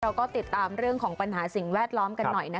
เราก็ติดตามเรื่องของปัญหาสิ่งแวดล้อมกันหน่อยนะคะ